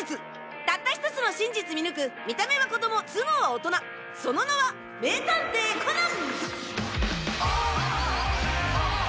たった１つの真実見抜く見た目は子供頭脳は大人その名は名探偵コナン！